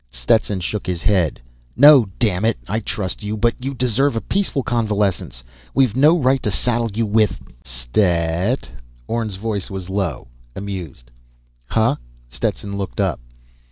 Stetson shook his head. "No, dammit! I trust you, but you deserve a peaceful convalescence. We've no right to saddle you with " "Stet?" Orne's voice was low, amused. "Huh?" Stetson looked up.